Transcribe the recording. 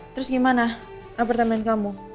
terus gimana apartemen kamu